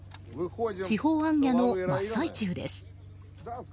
地方行脚の真っ最中です。